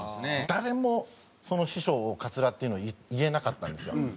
誰もその師匠をカツラっていうの言えなかったんですよ。